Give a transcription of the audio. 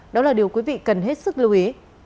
đó là điều quý vị cần hết sức lưu ý